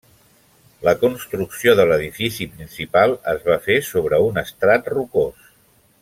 La construcció de l'edifici principal es va fer sobre un estrat rocós.